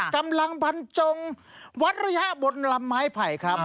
กำลังพันจงวรรยบนลำไม้ไผ่ครับ